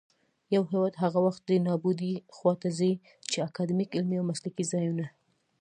يـو هـېواد هغـه وخـت دې نـابـودۍ خـواته ځـي ،چـې اکـادميـک، عـلمـي او مـسلـکي ځـايـونــه